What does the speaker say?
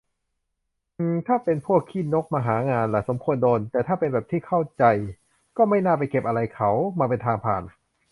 อือ ถ้าเป็นพวกขี้นกมาหางานอะ สมควรโดนแต่ถ้าเป็น แบบที่เข้าใจ ก็ไม่น่าไปเก็บอะไรเขา มาเป็นทางผ่าน